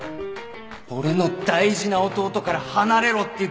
俺の大事な弟から離れろって言ってるんだ